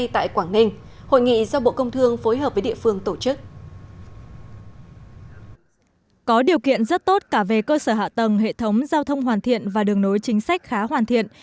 trong thời gian này quốc gia đã tạo ra một hệ thống giao thông hoàn thiện và đường nối chính sách khá hoàn thiện